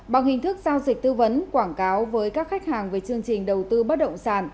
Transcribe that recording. bằng hình thức giao dịch tư vấn quảng cáo với các khách hàng về chương trình đầu tư bất động sản